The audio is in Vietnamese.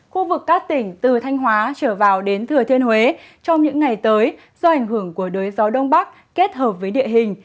khu vực các tỉnh từ thanh hóa trở vào đến thừa thiên huế trong những ngày tới do ảnh hưởng của đới gió đông bắc kết hợp với địa hình